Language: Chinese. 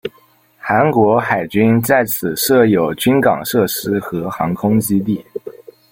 韩国海军在此设有军港设施和航空基地。